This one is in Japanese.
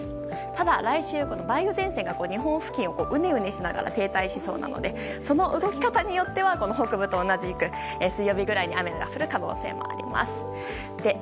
ただ、来週は梅雨前線が日本付近をうねうねしながら停滞しそうでその動き方によっては北部と同じく水曜日くらいに雨が降るかもしれません。